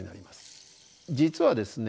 実はですね